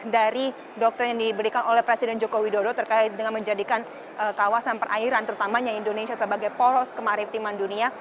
dari doktrin yang diberikan oleh presiden joko widodo terkait dengan menjadikan kawasan perairan terutamanya indonesia sebagai poros kemaritiman dunia